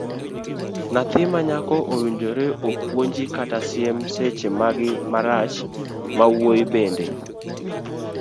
Nyathi manyako owinjore opunji kata siem seche magi marach, mawuoyi bende.